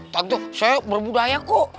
tante saya berbudaya kok